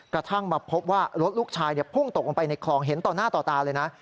กระทั่งมาพบว่ารถลูกชายพุ่งตกลงไปในคลองเห็นต่อหน้าต่อตาเลยนะ